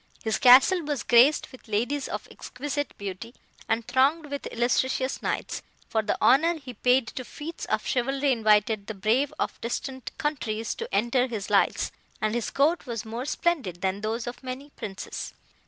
His castle was graced with ladies of exquisite beauty, and thronged with illustrious knights; for the honour he paid to feats of chivalry invited the brave of distant countries to enter his lists, and his court was more splendid than those of many princes.